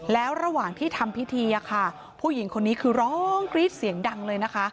แล้วระหว่างที่ทำพิธีค่ะผู้หญิงคนนี้คือร้องกรี๊ดเสียงดังเลยนะคะ